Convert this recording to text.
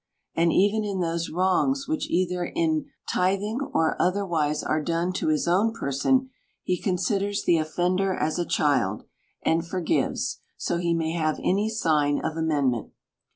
And even in those wrongs which either in tithing or otherwise are done to his own person, he considers the offender as a child ; and forgives, so he may have any sign of amendment.